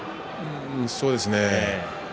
そうですね。